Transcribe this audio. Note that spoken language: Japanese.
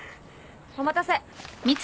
・お待たせ。